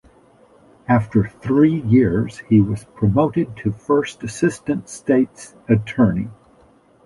After three years, he was promoted to first Assistant State's Attorney.